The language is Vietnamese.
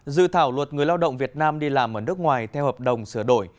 dự thảo luật người lao động việt nam đi làm ở nước ngoài theo hợp đồng sửa đổi